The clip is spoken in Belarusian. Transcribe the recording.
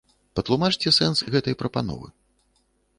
Патлумачце сэнс гэтай прапановы.